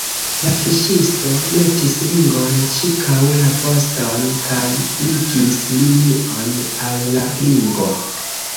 La fiŝisto metis ringon ĉirkaŭ la voston, kaj ligis linion al la ringo.